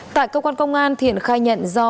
tại cơ quan công an thiện khai nhận do